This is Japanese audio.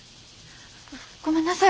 ごめんなさい。